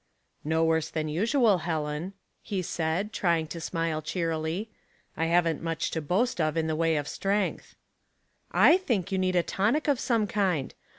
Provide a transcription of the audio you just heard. *' No worse than usual, Helen," ha said, trying to smile cheerily. "• I haven't much to boast of in the way of strength." "/ think you need a tonic of some kind.